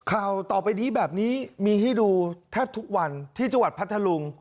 ข่าวต่อไปนี้แบบนี้มีให้ดูแทบทุกวันที่จังหวัดพัทธลุง